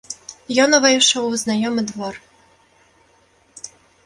Ён увайшоў у знаёмы двор.